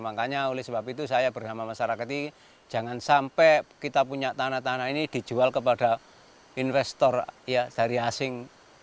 makanya oleh sebab itu saya bersama masyarakat ini jangan sampai kita punya tanah tanah ini dijual kepada investor dari asing